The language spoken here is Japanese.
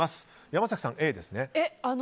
山崎さん、Ａですね。